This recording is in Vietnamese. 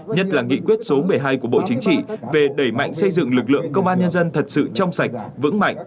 nhất là nghị quyết số một mươi hai của bộ chính trị về đẩy mạnh xây dựng lực lượng công an nhân dân thật sự trong sạch vững mạnh